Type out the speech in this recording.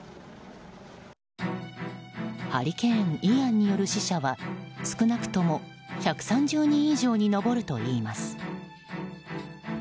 ハリケーン、イアンによる死者は少なくとも１３０人以上に上るといいます。